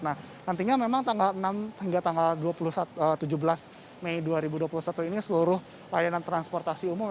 nah nantinya memang tanggal enam hingga tanggal tujuh belas mei dua ribu dua puluh satu ini seluruh layanan transportasi umum